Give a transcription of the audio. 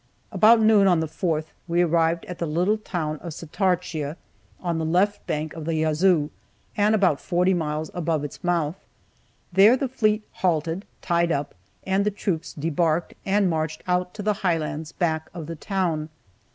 About noon on the 4th we arrived at the little town of Satartia on the left bank of the Yazoo, and about 40 miles above its mouth; there the fleet halted, tied up, and the troops debarked, and marched out to the highlands back of the town.